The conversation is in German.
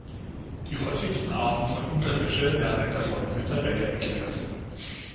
Die häufigsten Arten von Unterwäsche werden in der folgenden Tabelle erklärt.